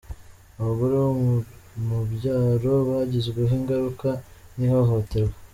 abagore bo mu byaro bagizweho ingaruka n’ihohoterwa